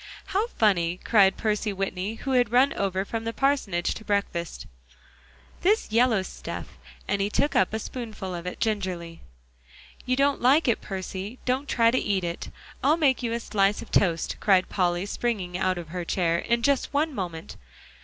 "How funny," cried Percy Whitney, who had run over from the parsonage to breakfast, "this yellow stuff is." And he took up a spoonful of it gingerly. "You don't like it, Percy; don't try to eat it. I'll make you a slice of toast," cried Polly, springing out of her chair, "in just one moment."